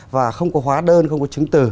và không có hóa đơn không có chứng từ